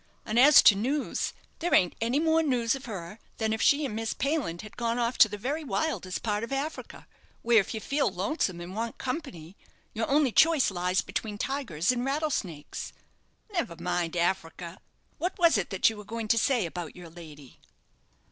And as to news, there ain't anymore news of her than if she and Miss Payland had gone off to the very wildest part of Africa, where, if you feel lonesome, and want company, your only choice lies between tigers and rattlesnakes." "Never mind Africa! What was it that you were going to say about your lady?"